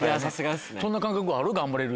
そんな感覚ある？